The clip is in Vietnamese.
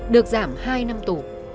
được giảm hai năm tù